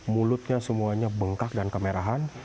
mulutnya semuanya bengkak dan kemerahan